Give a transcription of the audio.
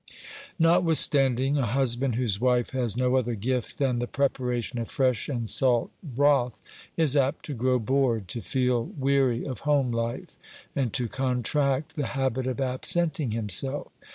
Notwithstanding, a husband whose wife has no other gift than the preparation of fresh and salt broth is apt to grow OBERMANN 241 bored, to feel weary of home life, and to contract the habit of absenting himself.